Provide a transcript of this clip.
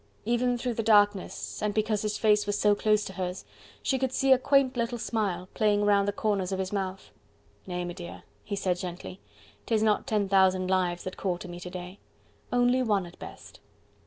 Even through the darkness, and because his face was so close to hers, she could see a quaint little smile playing round the corners of his mouth. "Nay, m'dear," he said gently, "'tis not ten thousand lives that call to me to day... only one at best....